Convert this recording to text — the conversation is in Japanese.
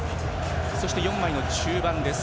そして４枚の中盤です。